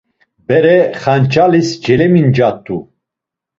Bere xanç̌alis celemincat̆u.